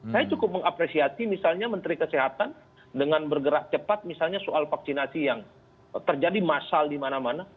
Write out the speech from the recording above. saya cukup mengapresiasi misalnya menteri kesehatan dengan bergerak cepat misalnya soal vaksinasi yang terjadi massal di mana mana